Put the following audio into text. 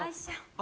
あ！